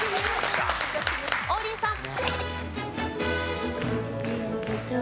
王林さん。